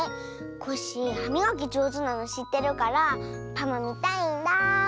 コッシーはみがきじょうずなのしってるからパマみたいんだ。